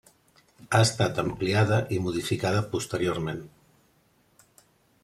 Ha estat ampliada i modificada posteriorment.